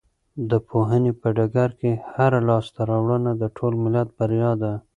د پوهنې په ډګر کې هره لاسته راوړنه د ټول ملت بریا ده.